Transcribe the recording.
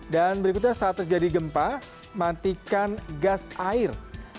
dan berikutnya saat terjadi gempa matikan gas air